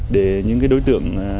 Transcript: để những cái đối tượng